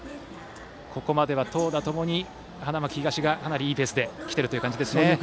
ここまでは投打ともに花巻東がかなりいいペースで来ていますね。